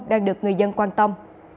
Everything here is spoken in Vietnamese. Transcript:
đang được người dân quan tâm